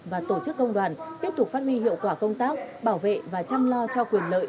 và tổ chức công đoàn tiếp tục phát huy hiệu quả công tác bảo vệ và chăm lo cho quyền lợi